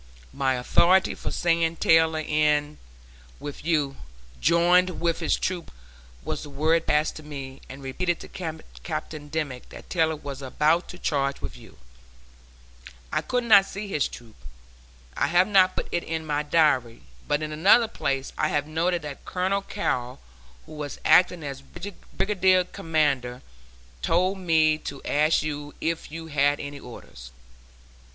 My authority for saying Taylor went in with you, "joined with his troop" was the word passed to me and repeated to Captain Dimmick that Taylor was about to charge with you. I could not see his troop. I have not put it in my diary, but in another place I have noted that Colonel Carrol, who was acting as brigade commander, told me to ask you if you had any orders.